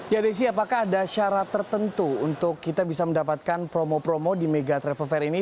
ya desi apakah ada syarat tertentu untuk kita bisa mendapatkan promo promo di mega travel fair ini